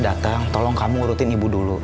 datang tolong kamu urutin ibu dulu